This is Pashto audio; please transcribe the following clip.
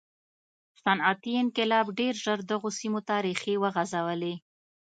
صنعتي انقلاب ډېر ژر دغو سیمو ته ریښې وغځولې.